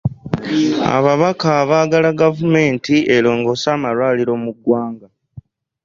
Ababaka baagala gavumenti erongose amalwaliro mu ggwanga.